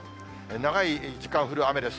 長い時間降る雨です。